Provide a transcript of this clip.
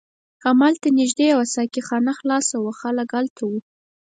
هملته نږدې یوه ساقي خانه خلاصه وه، هلته خلک و.